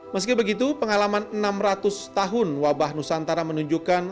meski begitu pengalaman enam ratus tahun wabah nusantara menunjukkan